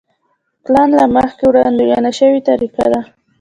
پلان له مخکې وړاندوينه شوې طریقه ده.